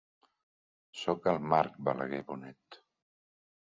Soc el Marc Balaguer Bonet.